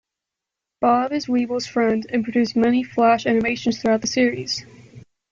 Bob is Weebl's friend, and producer of many Flash animations throughout the series.